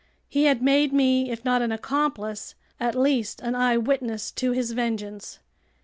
He had made me, if not an accomplice, at least an eyewitness to his vengeance!